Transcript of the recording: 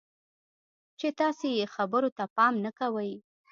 چې تاسې یې خبرو ته پام نه کوئ.